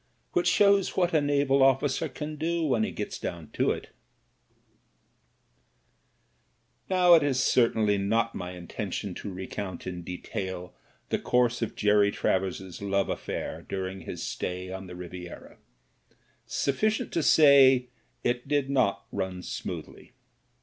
Which shows what a naval officer can do when he gets down to it ••..•• Now, it is certainly not my intention to recount in detail the course of Jerry Travers's love affair during his stay on the Riviera. Sufficient to say, it did not run smoothly.